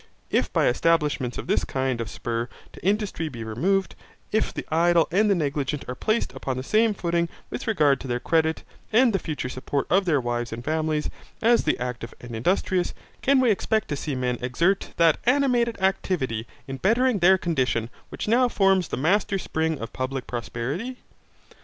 If by establishments of this kind of spur to industry be removed, if the idle and the negligent are placed upon the same footing with regard to their credit, and the future support of their wives and families, as the active and industrious, can we expect to see men exert that animated activity in bettering their condition which now forms the master spring of public prosperity?